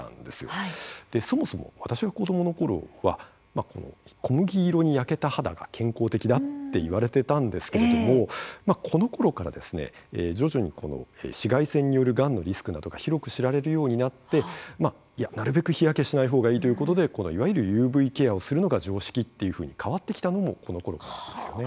そもそも私が子供の頃は小麦色に焼けた肌が健康的だっていわれてたんですけれどもこのころからですね徐々に紫外線によるがんのリスクなどが広く知られるようになってなるべく日焼けしない方がいいということでいわゆるＵＶケアをするのが常識っていうふうに変わってきたのもこのころなんですよね。